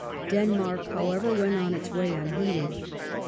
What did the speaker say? Denmark, however, went on its way unheeding.